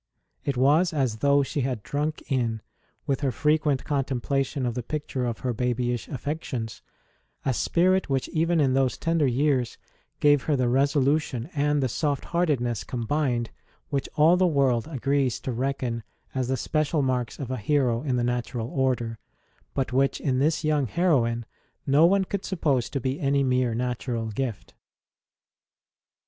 It was as though she had drunk in, with her frequent contemplation of the picture of her babyish affections, a spirit which even in these tender years gave her the resolution and the soft heartedness combined which all the world agrees to reckon as the special marks of a hero in the natural order, but which in this young heroine no one could suppose to be any mere natural gift.